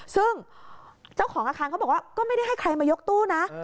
ซึ่งเจ้าของอาคารเขาบอกว่าก็ไม่ได้ให้ใครมายกตู้นะ